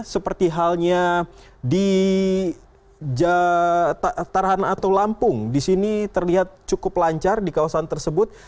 seperti halnya di tarhan atau lampung di sini terlihat cukup lancar di kawasan tersebut